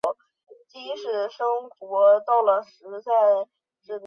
霍诺留自毁长城的举动给西哥特人带来了机会。